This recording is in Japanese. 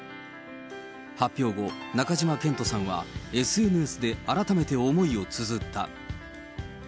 発表後、中島健人さんはＳＮＳで改めて思いをつづった。